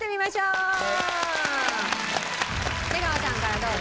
じゃあ出川さんからどうぞ。